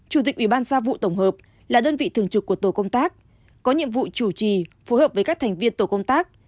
chủ tịch uban xa vụ tổng hợp là đơn vị thường trực của tổ công tác có nhiệm vụ chủ trì phù hợp với các thành viên tổ công tác